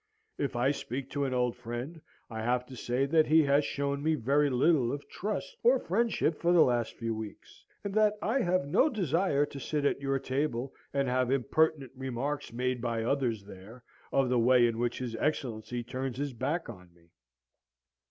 If I speak to my old friend, I have to say that he has shown me very little of trust or friendship for the last few weeks; and that I have no desire to sit at your table, and have impertinent remarks made by others there, of the way in which his Excellency turns his back on me.'